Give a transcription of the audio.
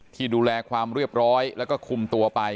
ที่ดูแลความเรียบร้อยแล้วก็คุมตัวไป